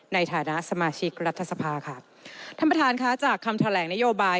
ในฐานะสมาชิกรัฐสภาค่ะท่านประธานค่ะจากคำแถลงนโยบาย